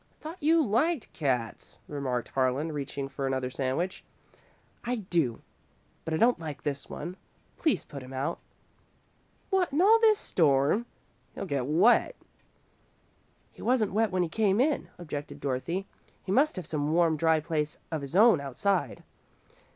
"Thought you liked cats," remarked Harlan, reaching for another sandwich. "I do, but I don't like this one. Please put him out." "What, in all this storm? He'll get wet." "He wasn't wet when he came in," objected Dorothy. "He must have some warm, dry place of his own outside."